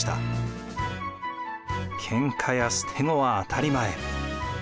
けんかや捨て子は当たり前。